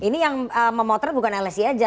ini yang memotret bukan lsi aja